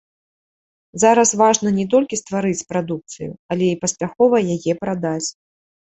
Зараз важна не толькі стварыць прадукцыю, але і паспяхова яе прадаць.